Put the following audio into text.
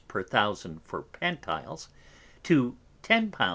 per_ Thousand for Pantiles, to 10 _l.